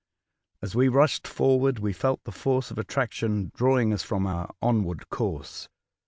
As we rushed forward, we felt the force of attraction drawing us from our onward course.